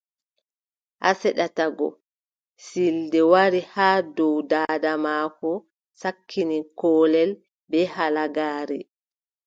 Haa seɗata go, siilde wari haa dow daada maako, sakkini koolel bee halagaare.